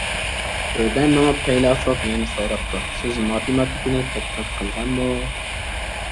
بىردەم مېڭىپ پەيلاسوپ يەنە سوراپتۇ: «سىز ماتېماتىكىنى تەتقىق قىلغانمۇ؟ ».